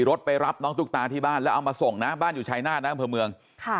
รถไปรับน้องตุ๊กตาที่บ้านแล้วเอามาส่งนะบ้านอยู่ชายหน้าน้ำ